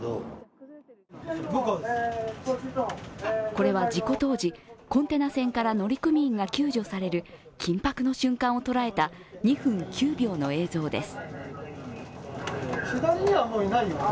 これは事故当時、コンテナ船から乗組員が救助される緊迫の瞬間を捉えた２分９秒の映像です。